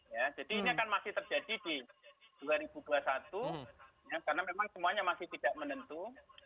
ya jadi ini akan masih terjadi di dua ribu dua puluh satu ya karena memang semuanya masih tidak menentu